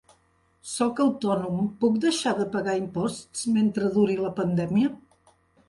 Sóc autònom, puc deixar de pagar imposts mentre duri la pandèmia?